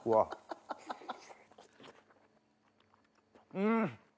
うん！